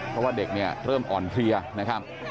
เพราะว่าเด็กเนี่ยเริ่มอ่อนเพลียนะครับ